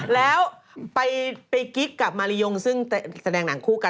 แล้วไปกิ๊กกับมาริยงซึ่งแสดงหนังคู่กัน